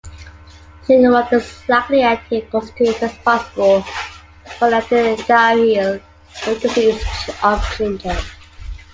Zingerone is likely the active constituent responsible for the antidiarrheal efficacy of ginger.